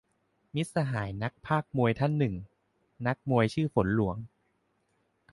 มิตรสหายนักพากย์มวยท่านหนึ่ง นักมวยชื่อฝนหลวง